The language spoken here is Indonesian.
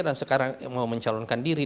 dan sekarang mau mencalonkan diri